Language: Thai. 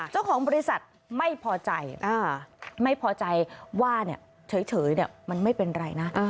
เจ้าของบริษัทไม่พอใจไม่พอใจว่าเฉยมันไม่เป็นไรนะ